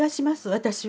私は。